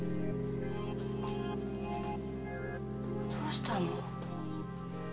どうしたの？